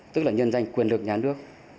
tức là nhân danh quyền lực nhà nước